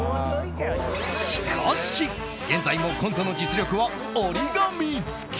しかし、現在もコントの実力は折り紙付き。